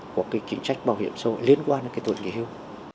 của chính trách bảo hiểm xã hội liên quan đến tuổi nghỉ hưu